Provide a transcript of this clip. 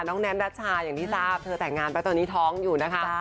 แนนรัชชาอย่างที่ทราบเธอแต่งงานไปตอนนี้ท้องอยู่นะคะ